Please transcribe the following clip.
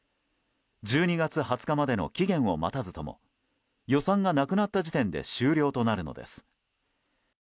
１２月２０日までの期限を待たずとも予算がなくなった時点で終了となるのです。